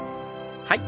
はい。